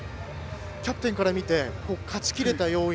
キャプテンから見て勝ち切れた要因